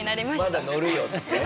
「まだのるよ」っつって？